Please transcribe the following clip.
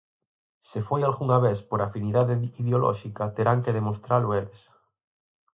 Se foi algunha vez por "afinidade ideolóxica", terán que demostralo eles.